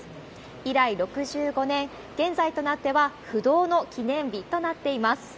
以来６５年、現在となっては不動の記念日となっています。